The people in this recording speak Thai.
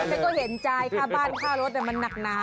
เพราะเห็นจ่ายข้าบ้านข้ารถแต่มันนักหนา